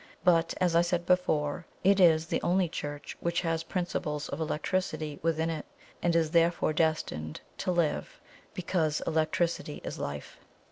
But, as I said before, it is the only Church which has Principles of Electricity within it, and is therefore destined to live, because electricity is life.